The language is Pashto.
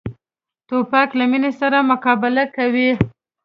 توپک له مینې سره مقابله کوي.